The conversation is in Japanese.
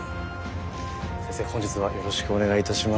先生本日はよろしくお願いいたします。